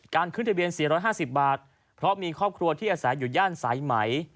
ขึ้นทะเบียน๔๕๐บาทเพราะมีครอบครัวที่อาศัยอยู่ย่านสายไหม